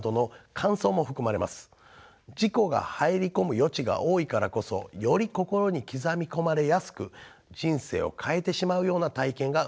自己が入り込む余地が多いからこそより心に刻み込まれやすく人生を変えてしまうような体験が生まれやすいのでしょう。